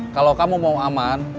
kalau kamu mau aman